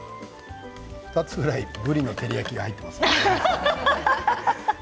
２つぐらいぶりの照り焼きが入っています。